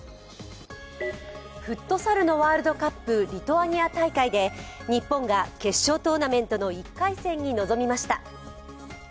フットサルのワールドカップ、リトアニア大会で日本が決勝トーナメントの１回戦に臨みました。